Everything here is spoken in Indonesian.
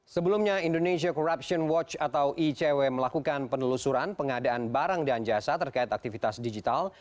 sebelumnya indonesia corruption watch atau icw melakukan penelusuran pengadaan barang dan jasa terkait aktivitas digital